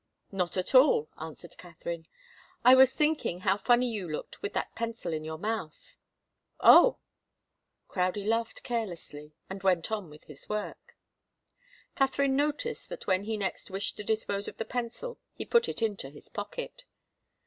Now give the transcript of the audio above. "Not at all," answered Katharine. "I was thinking how funny you looked with that pencil in your mouth." "Oh!" Crowdie laughed carelessly and went on with his work. Katharine noticed that when he next wished to dispose of the pencil he put it into his pocket.